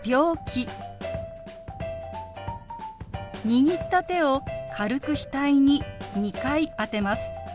握った手を軽く額に２回当てます。